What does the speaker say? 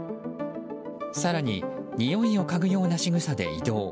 更に、においをかぐような仕草で移動。